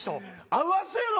合わせろ！